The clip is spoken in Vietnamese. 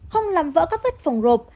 không làm vỡ các vết phòng rộp